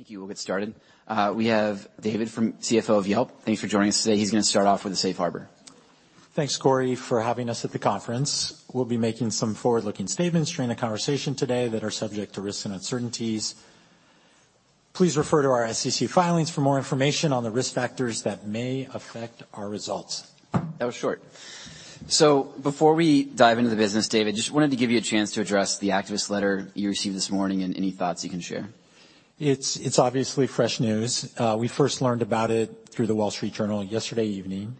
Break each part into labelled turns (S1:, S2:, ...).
S1: Thank you. We'll get started. We have David CFO of Yelp. Thanks for joining us today. He's gonna start off with a safe harbor.
S2: Thanks, Corey, for having us at the conference. We'll be making some forward-looking statements during the conversation today that are subject to risks and uncertainties. Please refer to our SEC filings for more information on the risk factors that may affect our results.
S1: That was short. Before we dive into the business, David, just wanted to give you a chance to address the activist letter you received this morning and any thoughts you can share.
S2: It's obviously fresh news. We first learned about it through The Wall Street Journal yesterday evening.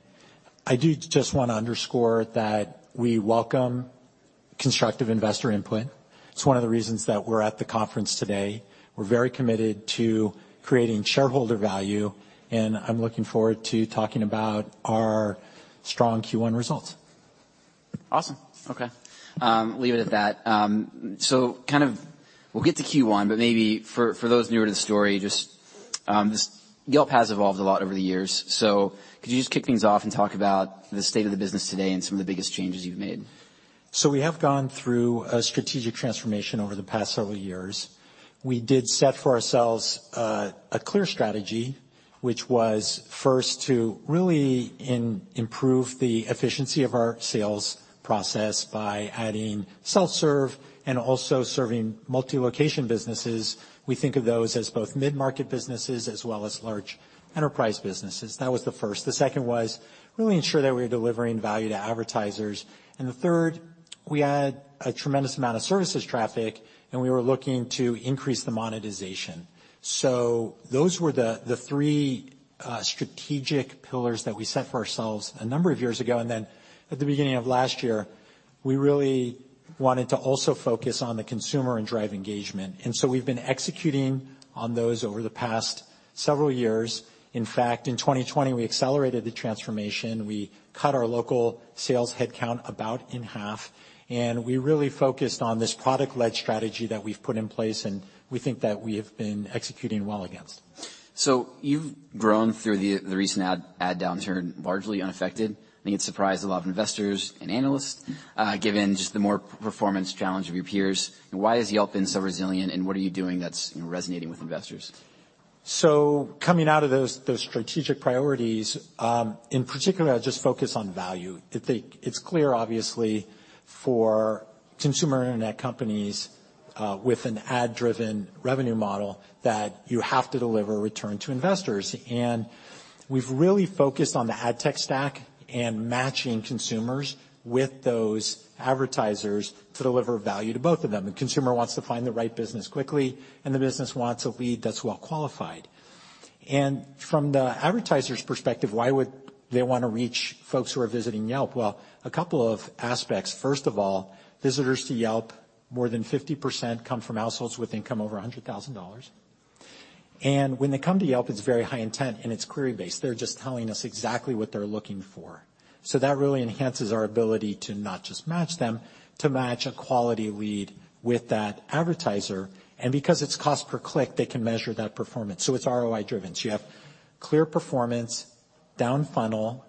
S2: I do just wanna underscore that we welcome constructive investor input. It's one of the reasons that we're at the conference today. We're very committed to creating shareholder value, and I'm looking forward to talking about our strong Q1 results.
S1: Awesome. Okay. leave it at that. kind of we'll get to Q1, maybe for those newer to the story, just Yelp has evolved a lot over the years. could you just kick things off and talk about the state of the business today and some of the biggest changes you've made?
S2: We have gone through a strategic transformation over the past several years. We did set for ourselves a clear strategy, which was first to really improve the efficiency of our sales process by adding self-service and also serving multi-location businesses. We think of those as both mid-market businesses as well as large enterprise businesses. That was the first. The second was really ensure that we're delivering value to advertisers. The third, we had a tremendous amount of services traffic, and we were looking to increase the monetization. Those were the three strategic pillars that we set for ourselves a number of years ago. At the beginning of last year, we really wanted to also focus on the consumer and drive engagement. We've been executing on those over the past several years. In fact, in 2020, we accelerated the transformation. We cut our local sales headcount about in half, and we really focused on this product-led strategy that we've put in place, and we think that we have been executing well against.
S1: You've grown through the recent ad downturn largely unaffected. I think it surprised a lot of investors and analysts given just the more performance challenge of your peers. Why has Yelp been so resilient, and what are you doing that's resonating with investors?
S2: Coming out of those strategic priorities, in particular, I just focus on value. I think it's clear, obviously, for consumer internet companies, with an ad-driven revenue model that you have to deliver return to investors. We've really focused on the ad tech stack and matching consumers with those advertisers to deliver value to both of them. The consumer wants to find the right business quickly, and the business wants a lead that's well qualified. From the advertiser's perspective, why would they wanna reach folks who are visiting Yelp? Well, a couple of aspects. First of all, visitors to Yelp, more than 50% come from households with income over $100,000. When they come to Yelp, it's very high intent, and it's query-based. They're just telling us exactly what they're looking for. That really enhances our ability to not just match them, to match a quality lead with that advertiser. Because it's cost per click, they can measure that performance. It's ROI-driven. You have clear performance, down funnel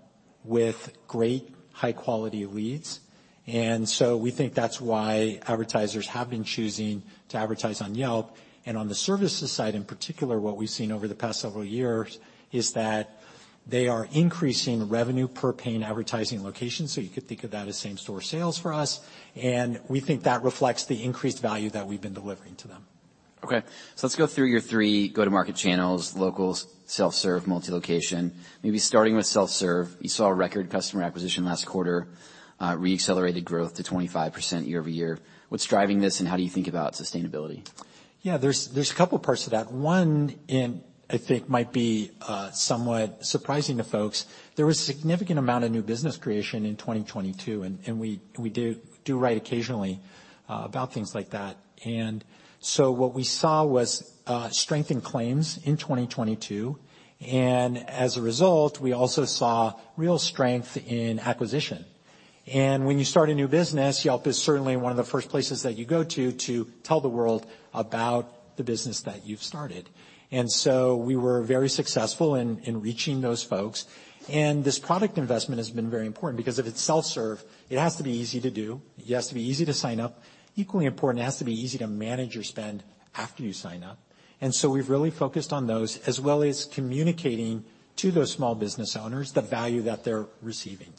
S2: with great high-quality leads. We think that's why advertisers have been choosing to advertise on Yelp. On the services side, in particular, what we've seen over the past several years is that they are increasing revenue per paying advertising location, so you could think of that as same-store sales for us. We think that reflects the increased value that we've been delivering to them.
S1: Let's go through your three go-to-market channels, locals, self-service, multi-location. Maybe starting with self-service. You saw a record customer acquisition last quarter, re-accelerated growth to 25% year-over-year. What's driving this, and how do you think about sustainability?
S2: Yeah, there's a couple parts to that. One, I think might be somewhat surprising to folks. There was a significant amount of new business creation in 2022, and we do write occasionally about things like that. What we saw was strength in claims in 2022, and as a result, we also saw real strength in acquisition. When you start a new business, Yelp is certainly one of the first places that you go to tell the world about the business that you've started. We were very successful in reaching those folks. This product investment has been very important because if it's self-serve, it has to be easy to do. It has to be easy to sign up. Equally important, it has to be easy to manage your spend after you sign up. We've really focused on those as well as communicating to those small business owners the value that they're receiving.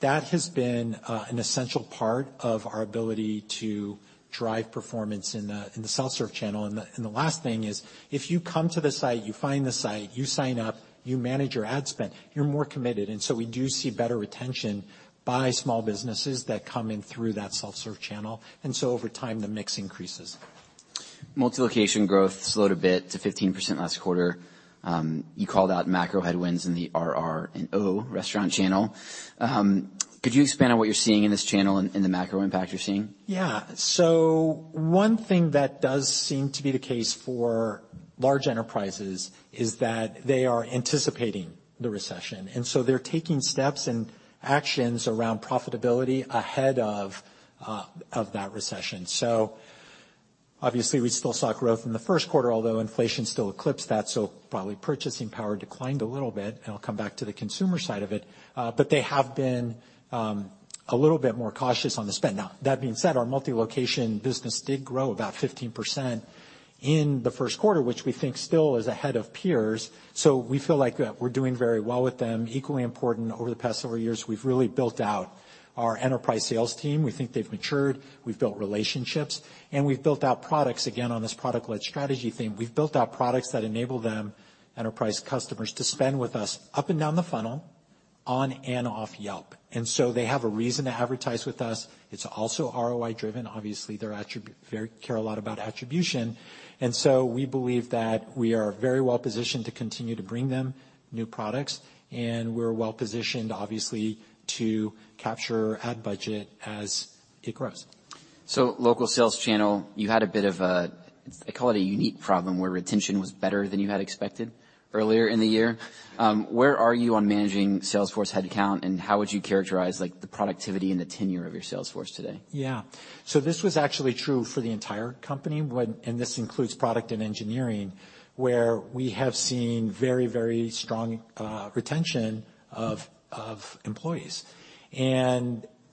S2: That has been an essential part of our ability to drive performance in the self-serve channel. The last thing is, if you come to the site, you find the site, you sign up, you manage your ad spend, you're more committed. We do see better retention by small businesses that come in through that self-serve channel. Over time, the mix increases.
S1: Multi-location growth slowed a bit to 15% last quarter. You called out macro headwinds in the RR&O restaurant channel. Could you expand on what you're seeing in this channel and the macro impact you're seeing?
S2: Yeah. One thing that does seem to be the case for large enterprises is that they are anticipating the recession, and they're taking steps and actions around profitability ahead of that recession. Obviously we still saw growth in the first quarter, although inflation still eclipsed that. Probably purchasing power declined a little bit, and I'll come back to the consumer side of it. They have been a little bit more cautious on the spend. Now, that being said, our multi-location business did grow about 15% in the first quarter, which we think still is ahead of peers. We feel like we're doing very well with them. Equally important, over the past several years, we've really built out our enterprise sales team. We think they've matured, we've built relationships, and we've built out products. Again, on this product-led strategy theme. We've built out products that enable them, enterprise customers, to spend with us up and down the funnel, on and off Yelp, and so they have a reason to advertise with us. It's also ROI driven. Obviously, they care a lot about attribution, and so we believe that we are very well positioned to continue to bring them new products, and we're well positioned, obviously, to capture ad budget as it grows.
S1: Local sales channel, you had a bit of a, I call it a unique problem, where retention was better than you had expected earlier in the year. Where are you on managing sales force headcount, and how would you characterize, like, the productivity and the tenure of your sales force today?
S2: Yeah. This was actually true for the entire company, and this includes product and engineering, where we have seen very strong retention of employees.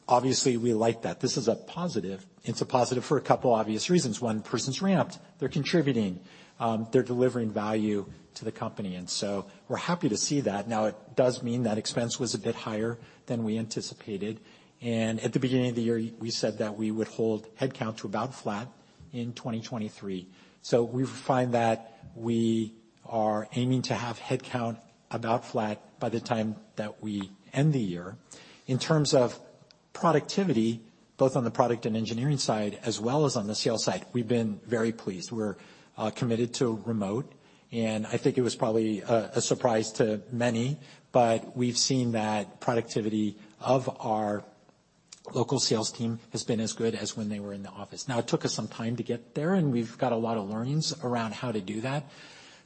S2: Obviously we like that. This is a positive. It's a positive for a couple obvious reasons. One, persons ramped, they're contributing, they're delivering value to the company, we're happy to see that. Now, it does mean that expense was a bit higher than we anticipated, at the beginning of the year, we said that we would hold headcount to about flat in 2023. We find that we are aiming to have headcount about flat by the time that we end the year. In terms of productivity, both on the product and engineering side as well as on the sales side, we've been very pleased. We're committed to remote, and I think it was probably a surprise to many, but we've seen that productivity of our local sales team has been as good as when they were in the office. Now, it took us some time to get there, and we've got a lot of learnings around how to do that,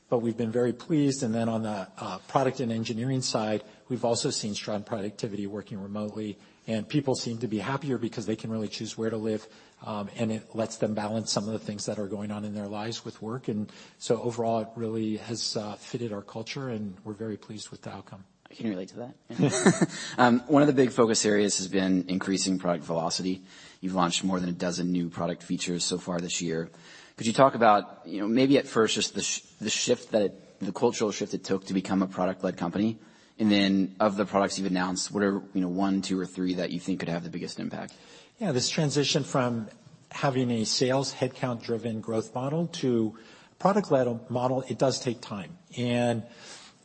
S2: but we've been very pleased. Then on the product and engineering side, we've also seen strong productivity working remotely. People seem to be happier because they can really choose where to live, and it lets them balance some of the things that are going on in their lives with work. Overall, it really has fitted our culture, and we're very pleased with the outcome.
S1: I can relate to that. One of the big focus areas has been increasing product velocity. You've launched more than a dozen new product features so far this year. Could you talk about, you know, maybe at first, just the shift that the cultural shift it took to become a product-led company, and then of the products you've announced, what are, you know, one, two or three that you think could have the biggest impact?
S2: Yeah. This transition from having a sales headcount driven growth model to product-led model, it does take time.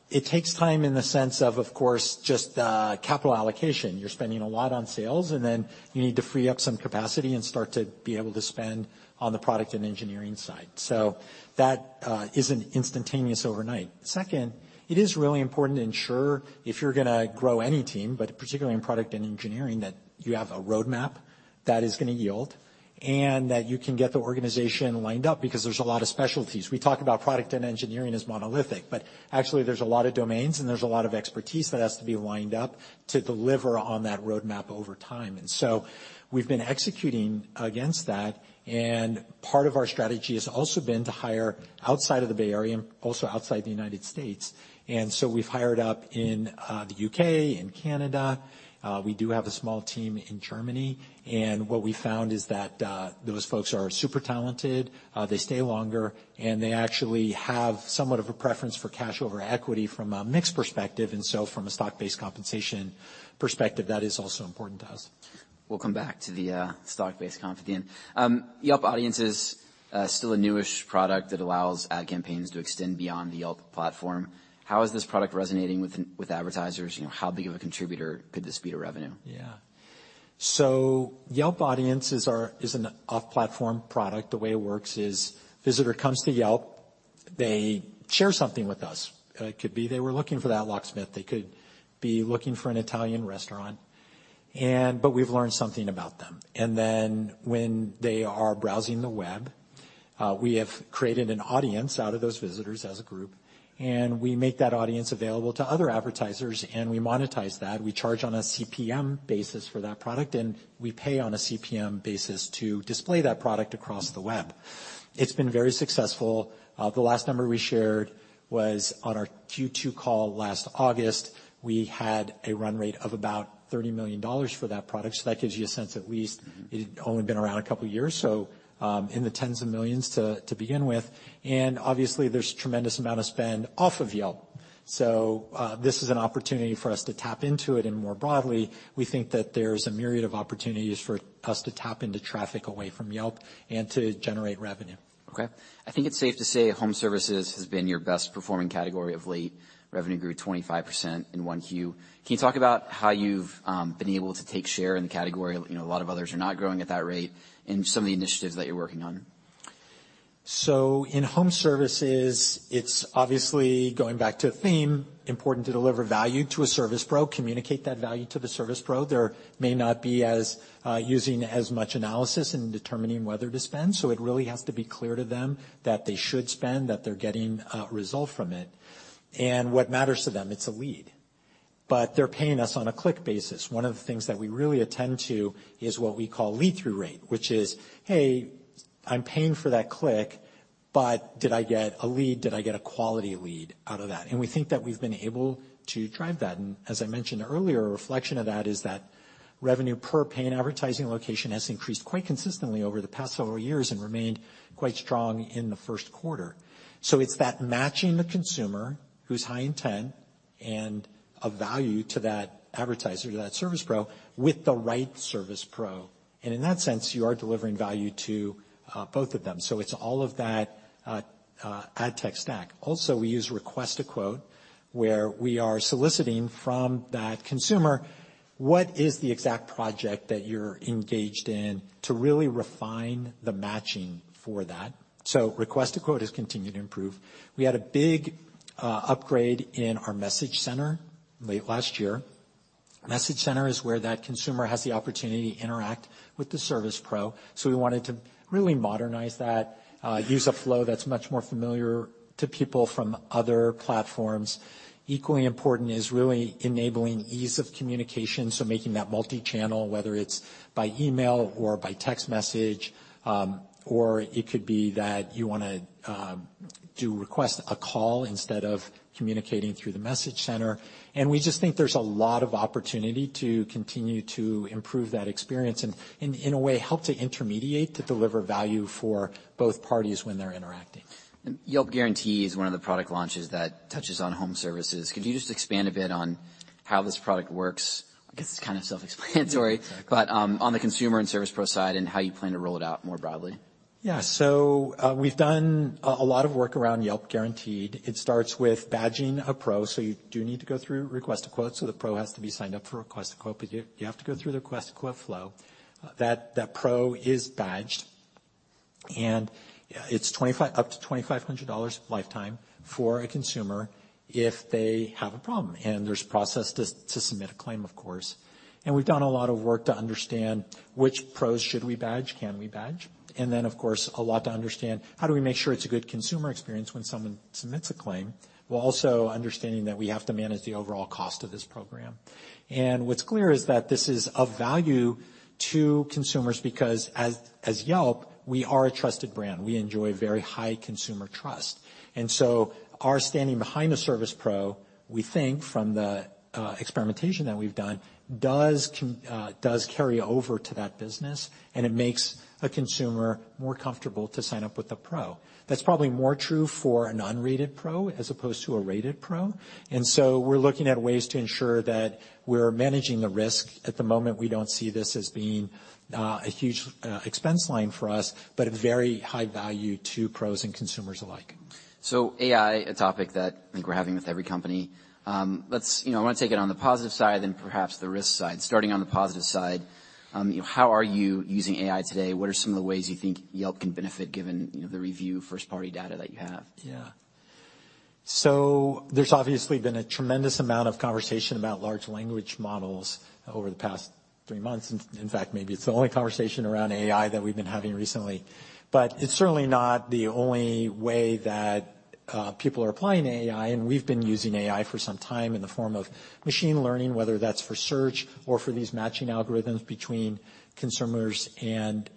S2: It takes time in the sense of course, just capital allocation. You're spending a lot on sales, and then you need to free up some capacity and start to be able to spend on the product and engineering side. That isn't instantaneous overnight. Second, it is really important to ensure if you're gonna grow any team, but particularly in product and engineering, that you have a roadmap that is gonna yield and that you can get the organization lined up because there's a lot of specialties. We talk about product and engineering as monolithic, but actually there's a lot of domains and there's a lot of expertise that has to be lined up to deliver on that roadmap over time. We've been executing against that. Part of our strategy has also been to hire outside of the Bay Area and also outside the United States. We've hired up in the U.K. and Canada. We do have a small team in Germany, and what we found is that those folks are super talented, they stay longer, and they actually have somewhat of a preference for cash over equity from a mix perspective. From a stock-based compensation perspective, that is also important to us.
S1: We'll come back to the stock-based comp at the end. Yelp Audiences is still a newish product that allows ad campaigns to extend beyond the Yelp platform. How is this product resonating with advertisers? You know, how big of a contributor could this be to revenue?
S2: Yeah. Yelp Audiences is an off-platform product. The way it works is visitor comes to Yelp, they share something with us. It could be they were looking for that locksmith. They could be looking for an Italian restaurant but we've learned something about them. When they are browsing the web, we have created an audience out of those visitors as a group, and we make that audience available to other advertisers, and we monetize that. We charge on a CPM basis for that product, and we pay on a CPM basis to display that product across the web. It's been very successful. The last number we shared was on our Q2 call last August. We had a run rate of about $30 million for that product. That gives you a sense. At least it had only been around a couple of years, in the tens of millions to begin with. Obviously there's tremendous amount of spend off of Yelp, so this is an opportunity for us to tap into it. More broadly, we think that there's a myriad of opportunities for us to tap into traffic away from Yelp and to generate revenue.
S1: I think it's safe to say Home Services has been your best performing category of late. Revenue grew 25% in 1Q. Can you talk about how you've been able to take share in the category, you know, a lot of others are not growing at that rate, and some of the initiatives that you're working on?
S2: In Home Services, it's obviously going back to a theme, important to deliver value to a service pro, communicate that value to the service pro. There may not be as using as much analysis in determining whether to spend. It really has to be clear to them that they should spend, that they're getting result from it. What matters to them, it's a lead, but they're paying us on a click basis. One of the things that we really attend to is what we call click-through rate, which is, "Hey, I'm paying for that click, but did I get a lead? Did I get a quality lead out of that?" We think that we've been able to drive that. As I mentioned earlier, a reflection of that is that revenue per paying advertising location has increased quite consistently over the past several years and remained quite strong in the first quarter. It's that matching the consumer who's high intent and of value to that advertiser, to that service pro, with the right service pro. In that sense, you are delivering value to both of them. It's all of that ad tech stack. Also, we use Request a Quote, where we are soliciting from that consumer, what is the exact project that you're engaged in to really refine the matching for that. Request a Quote has continued to improve. We had a big upgrade in our Message Center late last year. Message Center is where that consumer has the opportunity to interact with the service pro. We wanted to really modernize that, use a flow that's much more familiar to people from other platforms. Equally important is really enabling ease of communication, so making that multi-channel, whether it's by email or by text message, or it could be that you wanna do Request a Call instead of communicating through the Message Center. We just think there's a lot of opportunity to continue to improve that experience and in a way, help to intermediate to deliver value for both parties when they're interacting.
S1: Yelp Guaranteed is one of the product launches that touches on Home Services. Could you just expand a bit on how this product works? I guess it's kind of self-explanatory.
S2: Yeah.
S1: On the consumer and service pro side, and how you plan to roll it out more broadly.
S2: Yeah. We've done a lot of work around Yelp Guaranteed. It starts with badging a pro, so you do need to go through Request a Quote. The pro has to be signed up for Request a Quote, but you have to go through the Request a Quote flow. That pro is badged, and it's up to $2,500 lifetime for a consumer if they have a problem. There's a process to submit a claim, of course. We've done a lot of work to understand which pros should we badge, can we badge. Of course, a lot to understand, how do we make sure it's a good consumer experience when someone submits a claim, while also understanding that we have to manage the overall cost of this program. What's clear is that this is of value to consumers because as Yelp, we are a trusted brand. We enjoy very high consumer trust. Our standing behind the service pro, we think from the experimentation that we've done, does carry over to that business, and it makes a consumer more comfortable to sign up with a pro. That's probably more true for a non-rated pro as opposed to a rated pro. We're looking at ways to ensure that we're managing the risk. At the moment, we don't see this as being a huge expense line for us, but a very high value to pros and consumers alike.
S1: AI, a topic that I think we're having with every company. Let's, you know, I wanna take it on the positive side, then perhaps the risk side. Starting on the positive side, you know, how are you using AI today? What are some of the ways you think Yelp can benefit given, you know, the review first party data that you have?
S2: Yeah. There's obviously been a tremendous amount of conversation about large language models over the past three months. In fact, maybe it's the only conversation around AI that we've been having recently. It's certainly not the only way that people are applying AI, and we've been using AI for some time in the form of machine learning, whether that's for search or for these matching algorithms between consumers and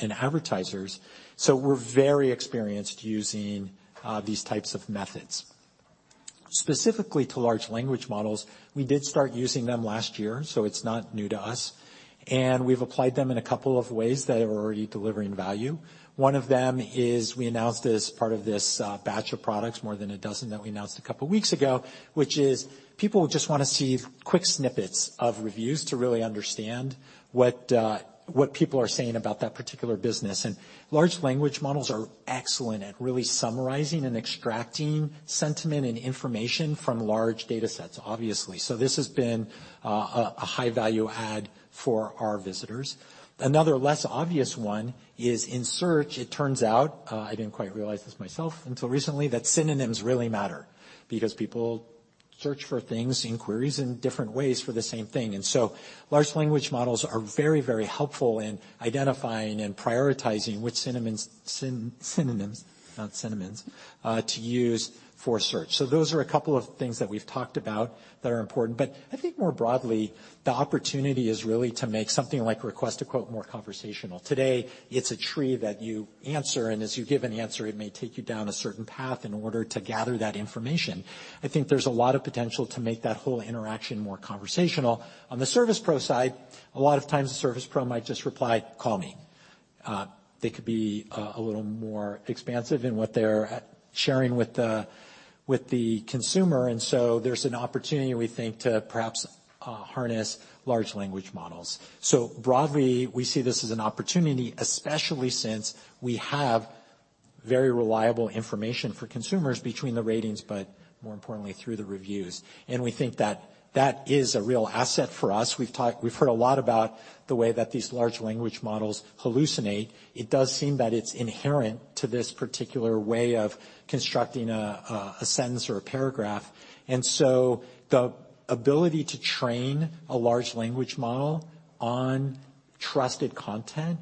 S2: advertisers. We're very experienced using these types of methods. Specifically to large language models, we did start using them last year, so it's not new to us, and we've applied them in a couple of ways that are already delivering value. One of them is we announced as part of this batch of products, more than a dozen that we announced a couple weeks ago, which is people just wanna see quick snippets of reviews to really understand what people are saying about that particular business. Large language models are excellent at really summarizing and extracting sentiment and information from large data sets, obviously. This has been a high value add for our visitors. Another less obvious one is in search, it turns out, I didn't quite realize this myself until recently, that synonyms really matter because people search for things in queries in different ways for the same thing. Large language models are very, very helpful in identifying and prioritizing which synonyms to use for search. Those are a couple of things that we've talked about that are important. I think more broadly, the opportunity is really to make something like Request a Quote more conversational. Today, it's a tree that you answer, and as you give an answer, it may take you down a certain path in order to gather that information. I think there's a lot of potential to make that whole interaction more conversational. On the service pro side, a lot of times the service pro might just reply, "Call me." They could be a little more expansive in what they're sharing with the consumer. There's an opportunity we think to perhaps harness large language models. Broadly, we see this as an opportunity, especially since we have very reliable information for consumers between the ratings, but more importantly through the reviews. We think that that is a real asset for us. We've heard a lot about the way that these large language models hallucinate. It does seem that it's inherent to this particular way of constructing a sentence or a paragraph. The ability to train a large language model on trusted content,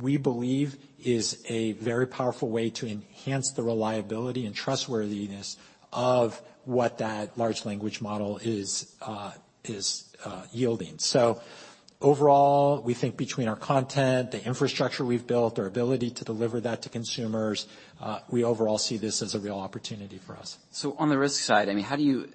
S2: we believe is a very powerful way to enhance the reliability and trustworthiness of what that large language model is yielding. Overall, we think between our content, the infrastructure we've built, our ability to deliver that to consumers, we overall see this as a real opportunity for us.
S1: On the risk side, I mean, how do you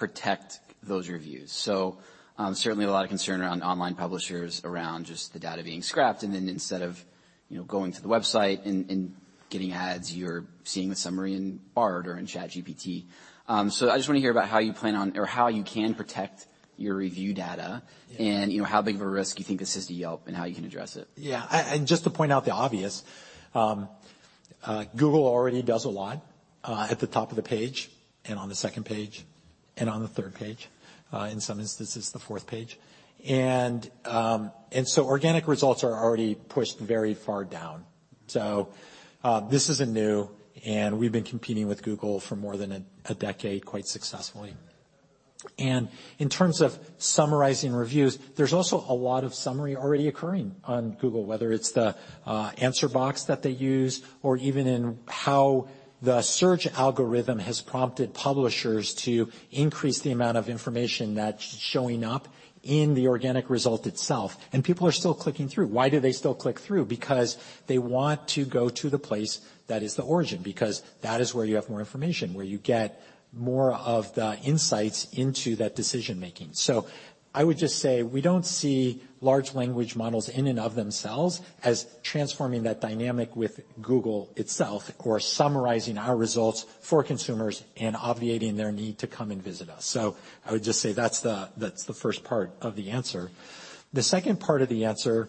S1: protect those reviews? Certainly a lot of concern around online publishers around just the data being scrapped and then instead of, you know, going to the website and getting ads, you're seeing a summary in Bard or in ChatGPT. I just wanna hear about how you plan on or how you can protect your review data.
S2: Yeah.
S1: You know, how big of a risk you think this is to Yelp and how you can address it.
S2: Yeah. And just to point out the obvious, Google already does a lot at the top of the page and on the second page and on the third page, in some instances, the fourth page. Organic results are already pushed very far down. This isn't new, and we've been competing with Google for more than a decade quite successfully. In terms of summarizing reviews, there's also a lot of summary already occurring on Google, whether it's the Answer Box that they use or even in how the search algorithm has prompted publishers to increase the amount of information that's showing up in the organic result itself. People are still clicking through. Why do they still click through? Because they want to go to the place that is the origin, because that is where you have more information, where you get more of the insights into that decision-making. I would just say we don't see large language models in and of themselves as transforming that dynamic with Google itself or summarizing our results for consumers and obviating their need to come and visit us. I would just say that's the, that's the first part of the answer. The second part of the answer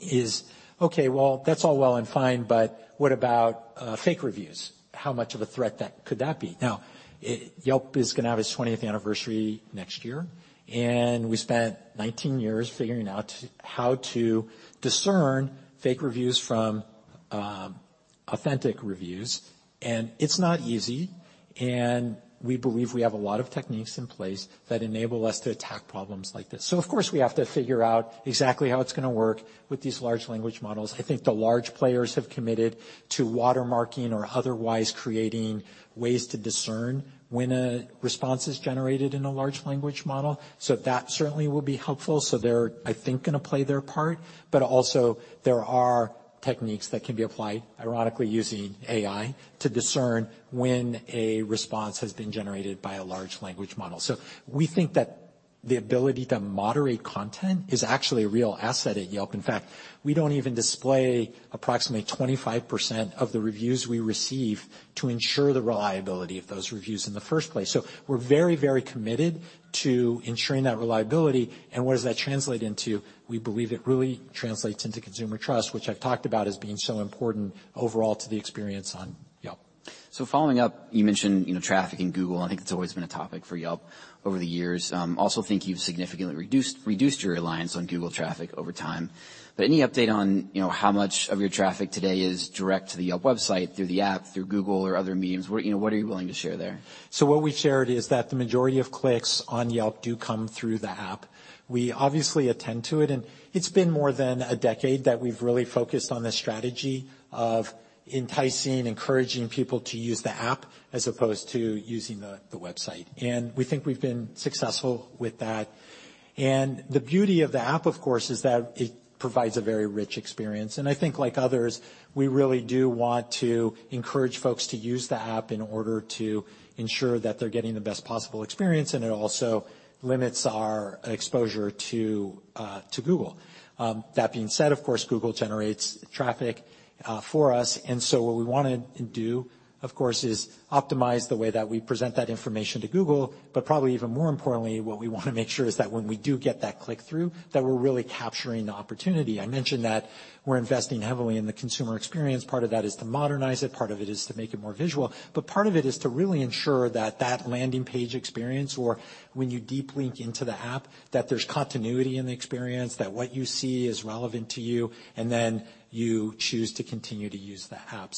S2: is, okay, well, that's all well and fine, but what about fake reviews? How much of a threat that could that be? Now, Yelp is gonna have its 20th anniversary next year, and we spent 19 years figuring out how to discern fake reviews from authentic reviews, and it's not easy. We believe we have a lot of techniques in place that enable us to attack problems like this. Of course, we have to figure out exactly how it's gonna work with these large language models. I think the large players have committed to watermarking or otherwise creating ways to discern when a response is generated in a large language model. That certainly will be helpful. They're, I think, gonna play their part, but also there are techniques that can be applied, ironically, using AI, to discern when a response has been generated by a large language model. We think that the ability to moderate content is actually a real asset at Yelp. In fact, we don't even display approximately 25% of the reviews we receive to ensure the reliability of those reviews in the first place. We're very, very committed to ensuring that reliability. What does that translate into? We believe it really translates into consumer trust, which I've talked about as being so important overall to the experience on Yelp.
S1: Following up, you mentioned, you know, traffic in Google. I think it's always been a topic for Yelp over the years. Also think you've significantly reduced your reliance on Google traffic over time. Any update on, you know, how much of your traffic today is direct to the Yelp website through the app, through Google or other means? What, you know, what are you willing to share there?
S2: What we've shared is that the majority of clicks on Yelp do come through the app. We obviously attend to it, and it's been more than a decade that we've really focused on the strategy of enticing, encouraging people to use the app as opposed to using the website. We think we've been successful with that. The beauty of the app, of course, is that it provides a very rich experience. I think like others, we really do want to encourage folks to use the app in order to ensure that they're getting the best possible experience, and it also limits our exposure to Google. That being said, of course, Google generates traffic for us, and so what we wanna do, of course, is optimize the way that we present that information to Google. Probably even more importantly, what we wanna make sure is that when we do get that click-through, that we're really capturing the opportunity. I mentioned that we're investing heavily in the consumer experience. Part of that is to modernize it, part of it is to make it more visual, but part of it is to really ensure that that landing page experience or when you deep link into the app, that there's continuity in the experience, that what you see is relevant to you, and then you choose to continue to use the app.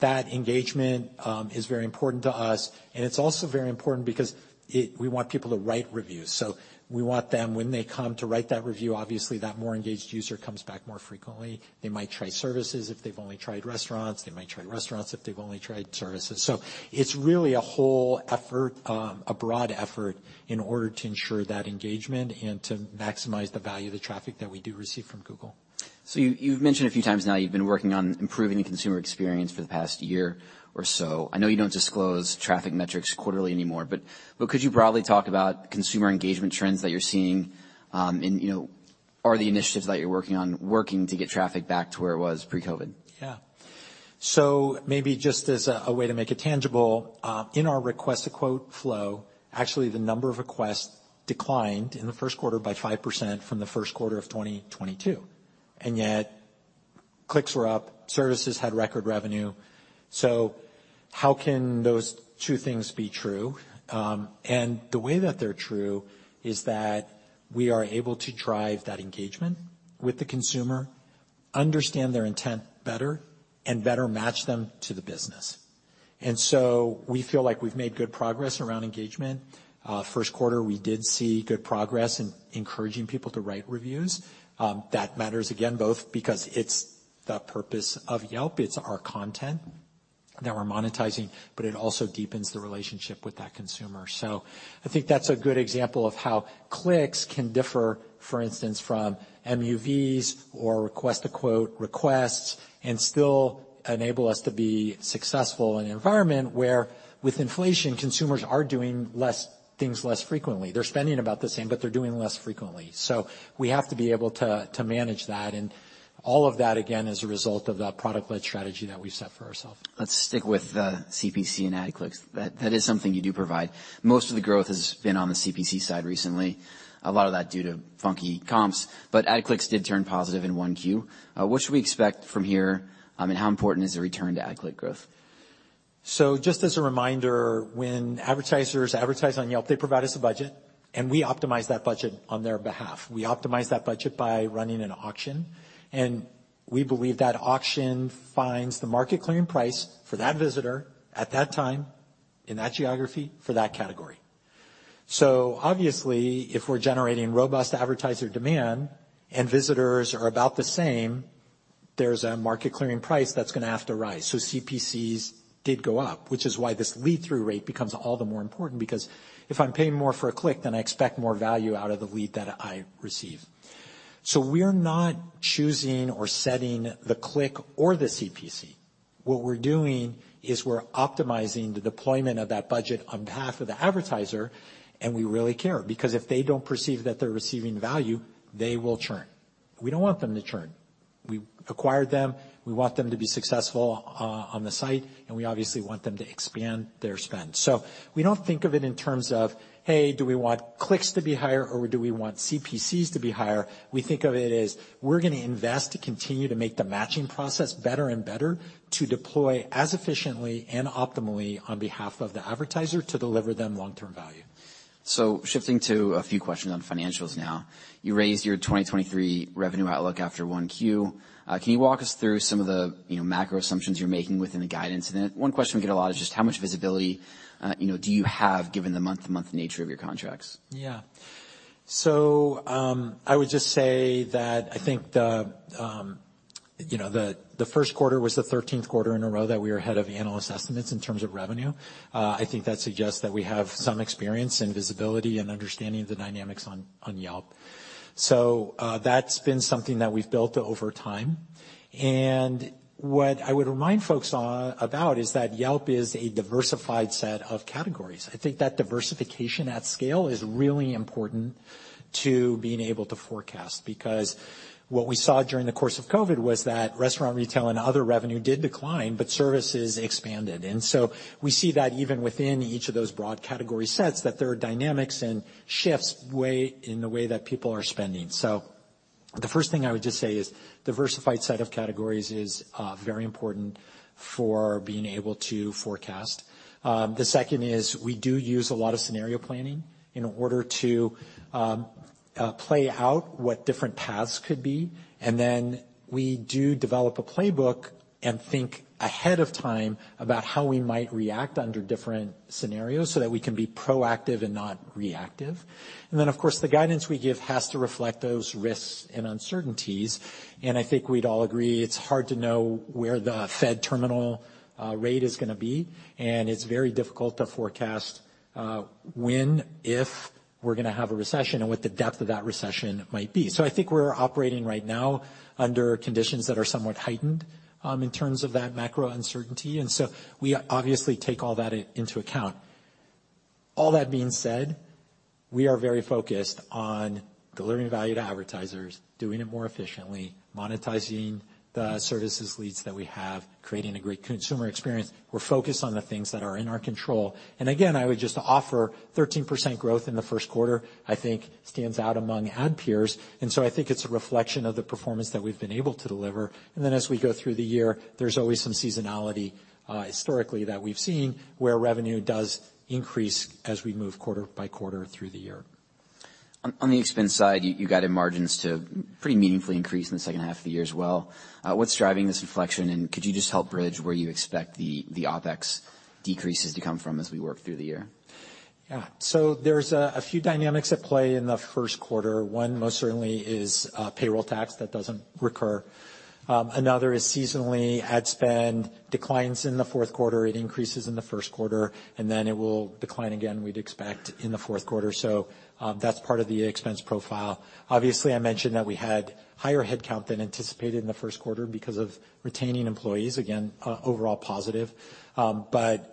S2: That engagement is very important to us. It's also very important because we want people to write reviews. We want them, when they come to write that review, obviously, that more engaged user comes back more frequently. They might try services if they've only tried restaurants. They might try restaurants if they've only tried services. It's really a whole effort, a broad effort in order to ensure that engagement and to maximize the value of the traffic that we do receive from Google.
S1: You've mentioned a few times now you've been working on improving the consumer experience for the past year or so. I know you don't disclose traffic metrics quarterly anymore, but could you broadly talk about consumer engagement trends that you're seeing, and, you know, are the initiatives that you're working on working to get traffic back to where it was pre-COVID?
S2: Yeah. Maybe just as a way to make it tangible, in our Request a Quote flow, actually, the number of requests declined in the first quarter by 5% from the first quarter of 2022. Yet clicks were up, services had record revenue. How can those two things be true? The way that they're true is that we are able to drive that engagement with the consumer, understand their intent better, and better match them to the business. We feel like we've made good progress around engagement. First quarter, we did see good progress in encouraging people to write reviews, that matters again, both because it's the purpose of Yelp, it's our content that we're monetizing, but it also deepens the relationship with that consumer. I think that's a good example of how clicks can differ, for instance, from MUVs or Request a Quote requests and still enable us to be successful in an environment where with inflation, consumers are doing less things less frequently. They're spending about the same, but they're doing less frequently. We have to be able to manage that. All of that, again, is a result of the product-led strategy that we've set for ourselves.
S1: Let's stick with CPC and ad clicks. That is something you do provide. Most of the growth has been on the CPC side recently, a lot of that due to funky comps. Ad clicks did turn positive in 1Q. What should we expect from here? How important is the return to ad click growth?
S2: Just as a reminder, when advertisers advertise on Yelp, they provide us a budget, and we optimize that budget on their behalf. We optimize that budget by running an auction, and we believe that auction finds the market clearing price for that visitor at that time, in that geography, for that category. Obviously, if we're generating robust advertiser demand and visitors are about the same, there's a market clearing price that's gonna have to rise. CPCs did go up, which is why this lead-through rate becomes all the more important because if I'm paying more for a click, then I expect more value out of the lead that I receive. We're not choosing or setting the click or the CPC. What we're doing is we're optimizing the deployment of that budget on behalf of the advertiser, and we really care, because if they don't perceive that they're receiving value, they will churn. We don't want them to churn. We acquired them, we want them to be successful on the site, and we obviously want them to expand their spend. We don't think of it in terms of, hey, do we want clicks to be higher or do we want CPCs to be higher? We think of it as, we're gonna invest to continue to make the matching process better and better, to deploy as efficiently and optimally on behalf of the advertiser to deliver them long-term value.
S1: Shifting to a few questions on financials now. You raised your 2023 revenue outlook after 1Q. Can you walk us through some of the, you know, macro assumptions you're making within the guidance? One question we get a lot is just how much visibility, you know, do you have given the month-to-month nature of your contracts?
S2: I would just say that I think the, you know, the first quarter was the 13th quarter in a row that we are ahead of analyst estimates in terms of revenue. I think that suggests that we have some experience and visibility and understanding of the dynamics on Yelp. That's been something that we've built over time. What I would remind folks about is that Yelp is a diversified set of categories. I think that diversification at scale is really important to being able to forecast, because what we saw during the course of COVID was that Restaurant, Retail and Other revenue did decline, but services expanded. We see that even within each of those broad category sets, that there are dynamics and shifts in the way that people are spending. The first thing I would just say is diversified set of categories is very important for being able to forecast. The second is we do use a lot of scenario planning in order to play out what different paths could be. We do develop a playbook and think ahead of time about how we might react under different scenarios so that we can be proactive and not reactive. Of course, the guidance we give has to reflect those risks and uncertainties, and I think we'd all agree it's hard to know where the Fed terminal rate is gonna be, and it's very difficult to forecast when, if we're gonna have a recession and what the depth of that recession might be. I think we're operating right now under conditions that are somewhat heightened in terms of that macro uncertainty, we obviously take all that into account. All that being said, we are very focused on delivering value to advertisers, doing it more efficiently, monetizing the services leads that we have, creating a great consumer experience. We're focused on the things that are in our control. Again, I would just offer 13% growth in the first quarter, I think stands out among ad peers. I think it's a reflection of the performance that we've been able to deliver. As we go through the year, there's always some seasonality historically that we've seen where revenue does increase as we move quarter-by-quarter through the year.
S1: On the expense side, you guided margins to pretty meaningfully increase in the second half of the year as well. What's driving this inflection, and could you just help bridge where you expect the OpEx decreases to come from as we work through the year?
S2: Yeah. There's a few dynamics at play in the first quarter. One most certainly is payroll tax. That doesn't recur. Another is seasonally ad spend declines in the fourth quarter. It increases in the first quarter, and then it will decline again, we'd expect in the fourth quarter. That's part of the expense profile. Obviously, I mentioned that we had higher headcount than anticipated in the first quarter because of retaining employees, again, overall positive.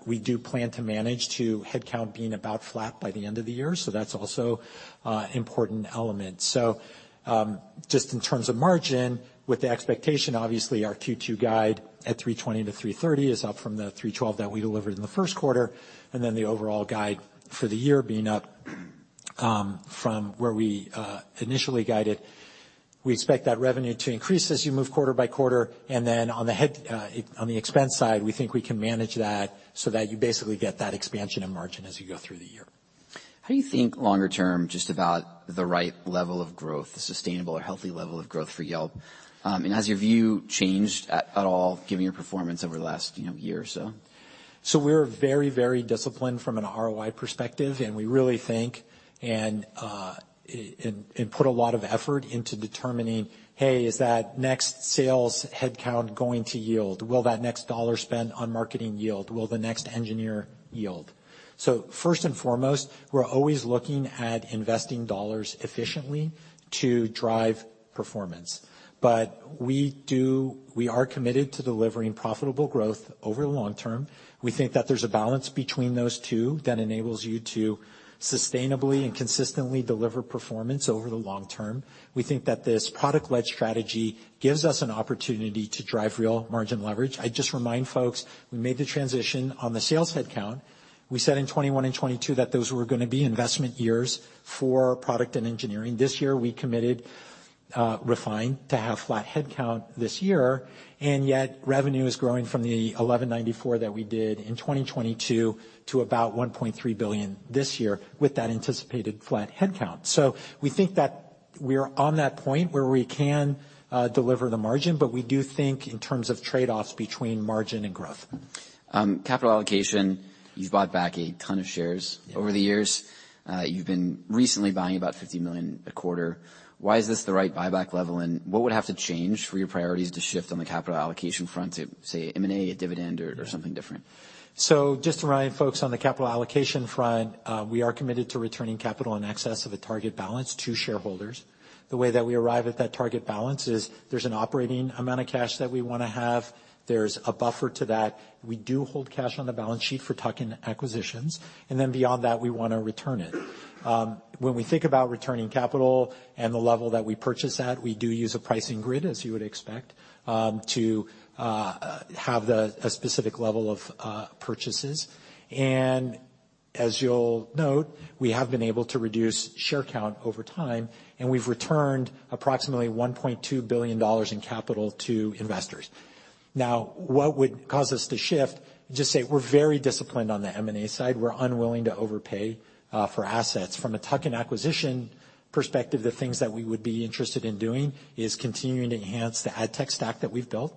S2: We do plan to manage to headcount being about flat by the end of the year, that's also a important element. Just in terms of margin with the expectation, obviously our Q2 guide at $320-$330 is up from the $312 that we delivered in the first quarter, and then the overall guide for the year being up from where we initially guided. We expect that revenue to increase as you move quarter-by-quarter. On the expense side, we think we can manage that so that you basically get that expansion in margin as you go through the year.
S1: How do you think longer term just about the right level of growth, the sustainable or healthy level of growth for Yelp? Has your view changed at all given your performance over the last year or so?
S2: We're very, very disciplined from an ROI perspective. We really think and put a lot of effort into determining, hey, is that next sales headcount going to yield? Will that next dollar spent on marketing yield? Will the next engineer yield? First and foremost, we're always looking at investing dollars efficiently to drive performance. We are committed to delivering profitable growth over long term. We think that there's a balance between those two that enables you to sustainably and consistently deliver performance over the long term. We think that this product-led strategy gives us an opportunity to drive real margin leverage. I just remind folks, we made the transition on the sales headcount. We said in 2021 and 2022 that those were gonna be investment years for product and engineering. This year we committed, refined to have flat headcount this year, and yet revenue is growing from the $1,194 that we did in 2022 to about $1.3 billion this year with that anticipated flat headcount. We think that we're on that point where we can deliver the margin, but we do think in terms of trade-offs between margin and growth.
S1: Capital allocation, you've bought back a ton of shares.
S2: Yeah.
S1: Over the years. You've been recently buying about $50 million a quarter. Why is this the right buyback level, and what would have to change for your priorities to shift on the capital allocation front to, say, M&A, a dividend or something different?
S2: Just to remind folks on the capital allocation front, we are committed to returning capital in excess of a target balance to shareholders. The way that we arrive at that target balance is there's an operating amount of cash that we wanna have. There's a buffer to that. We do hold cash on the balance sheet for tuck-in acquisitions, and then beyond that, we wanna return it. When we think about returning capital and the level that we purchase at, we do use a pricing grid, as you would expect, to have a specific level of purchases. As you'll note, we have been able to reduce share count over time, and we've returned approximately $1.2 billion in capital to investors. What would cause us to shift? Just say we're very disciplined on the M&A side. We're unwilling to overpay for assets. From a tuck-in acquisition perspective, the things that we would be interested in doing is continuing to enhance the ad tech stack that we've built.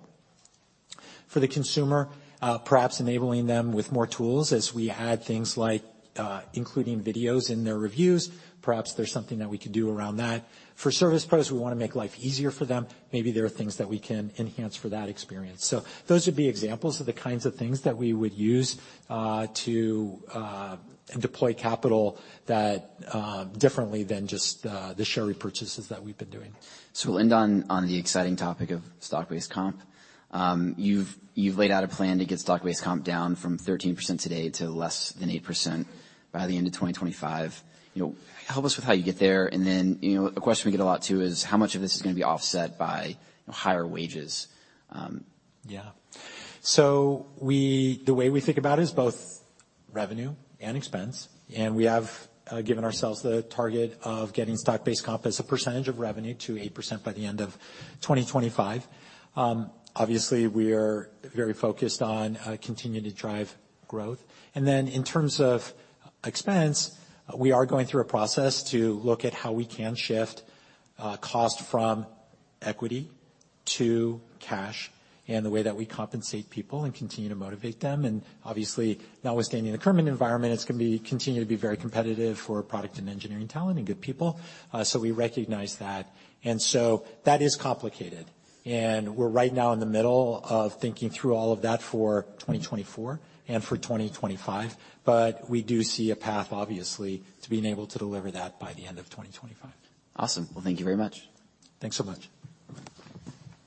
S2: For the consumer, perhaps enabling them with more tools as we add things like including videos in their reviews. Perhaps there's something that we could do around that. For service pros, we wanna make life easier for them. Maybe there are things that we can enhance for that experience. Those would be examples of the kinds of things that we would use to deploy capital that differently than just the share repurchases that we've been doing.
S1: We'll end on the exciting topic of stock-based comp. You've laid out a plan to get stock-based comp down from 13% today to less than 8% by the end of 2025. You know, help us with how you get there, you know, a question we get a lot too is how much of this is gonna be offset by higher wages?
S2: The way we think about it is both revenue and expense, and we have given ourselves the target of getting stock-based comp as a percentage of revenue to 8% by the end of 2025. Obviously, we are very focused on continuing to drive growth. In terms of expense, we are going through a process to look at how we can shift cost from equity to cash and the way that we compensate people and continue to motivate them. Obviously, notwithstanding the current environment, it's gonna continue to be very competitive for product and engineering talent and good people. We recognize that. That is complicated, and we're right now in the middle of thinking through all of that for 2024 and for 2025. We do see a path, obviously, to being able to deliver that by the end of 2025.
S1: Awesome. Well, thank you very much.
S2: Thanks so much.